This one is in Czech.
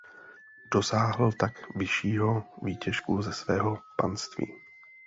Dosáhl tak vyššího výtěžku ze svého panství.